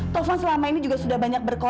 taufan selama ini juga sudah banyak berkoordi